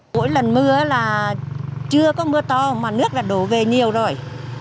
mỗi lần mưa là chưa có mưa to mà nước đã đổ về nhiều rồi